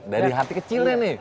dari hati kecilnya nih